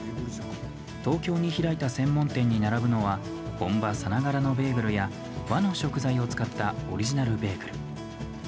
東京に開いた専門店に並ぶのは本場さながらのベーグルや和の食材を使ったオリジナルベーグル。